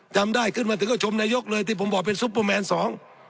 จำได้ขึ้นมาถึงก็ชมนายกเลยที่ผมบอกเป็นซุปเปอร์แมนสอง